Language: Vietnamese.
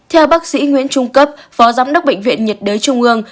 theo bác sĩ nguyễn trung cấp phó giám đốc bệnh viện nhiệt đới trung ương